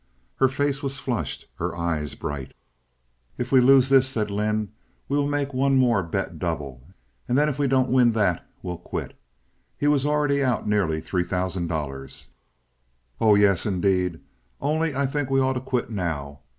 Her face was flushed, her eyes bright. "If we lose this," said Lynde, "we will make one more bet double, and then if we don't win that we'll quit." He was already out nearly three thousand dollars. "Oh yes, indeed! Only I think we ought to quit now.